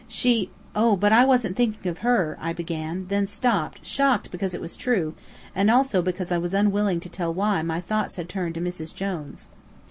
She " "Oh, but I wasn't thinking of her!" I began, then stopped, shocked because it was true, and also because I was unwilling to tell why my thoughts had turned to "Mrs. Jones."